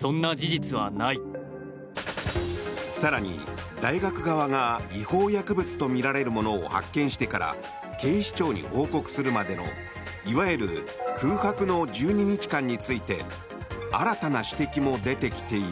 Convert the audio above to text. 更に大学側が違法薬物とみられるものを発見してから警視庁に報告するまでのいわゆる空白の１２日間について新たな指摘も出てきている。